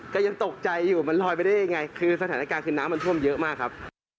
ก็ยังตกใจอยู่มันลอยไปได้ยังไงคือสถานการณ์คือน้ำมันท่วมเยอะมากครับ